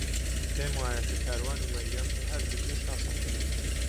پێم وایە کە کاروان و مەریەم هەردووک هێشتا سەڵتن.